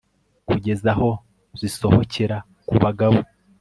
kugera aho zisohokera ku bagabo